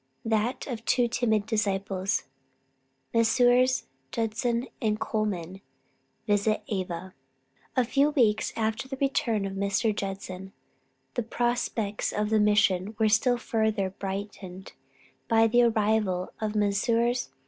THAT OF TWO TIMID DISCIPLES. MESSRS. JUDSON AND COLMAN VISIT AVA. A few weeks after the return of Mr. Judson, the prospects of the Mission were still further brightened by the arrival of Messrs.